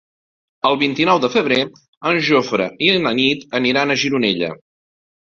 El vint-i-nou de febrer en Jofre i na Nit aniran a Gironella.